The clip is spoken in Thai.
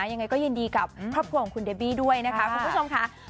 ยังไงก็ยินดีกับครอบครัวของคุณเดบี้ด้วยนะคะคุณผู้ชมค่ะ